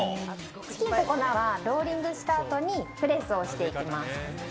チキンと粉はローリングしたあとにプレスをしていきます。